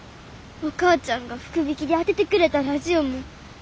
お母ちゃんが福引きで当ててくれたラジオも。